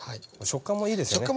食感もいいですよね。